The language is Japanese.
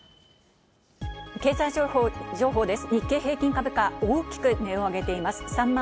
経済情報です。